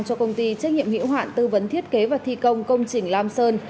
cho công ty trách nhiệm hiệu hoạn tư vấn thiết kế và thi công công trình lam sơn